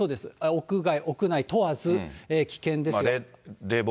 屋内屋外問わず、危険ですよと。